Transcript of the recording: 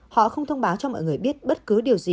họ không thông báo cho mọi người biết bất cứ điều gì